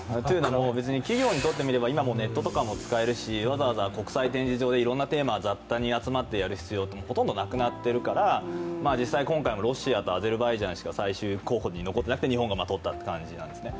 企業にとってみれば今はもう、ネットも使えるしわざわざ国際展示場でいろんなテーマで雑多に集まってやる必要はないし、実際今回、ロシアとアゼルバイジャンしか最終候補に残っていなくて、日本がとったという感じなんですね。